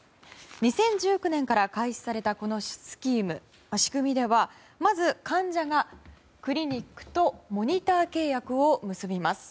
２０１９年から開始されたこのスキーム仕組みではまず、患者がクリニックとモニター契約を結びます。